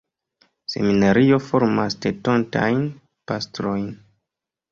Seminario formas estontajn pastrojn.